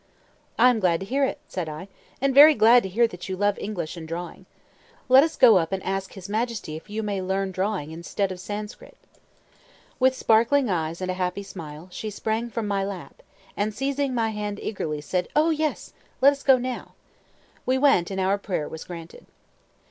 "I am glad to hear it," said I, "and very glad to hear that you love English and drawing. Let us go up and ask his Majesty if you may learn drawing instead of Sanskrit." With sparkling eyes and a happy smile, she sprang from my lap, and, seizing my hand eagerly, said, "O yes! let us go now." We went, and our prayer was granted.